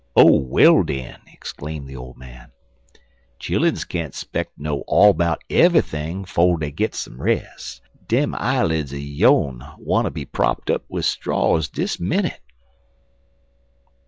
"Oh, well den!" exclaimed the old man, "chilluns can't speck ter know all 'bout eve'ything 'fo' dey git some res'. Dem eyelids er yone wanter be propped wid straws dis minnit."